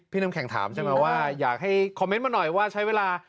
น้ำแข็งถามใช่ไหมว่าอยากให้คอมเมนต์มาหน่อยว่าใช้เวลา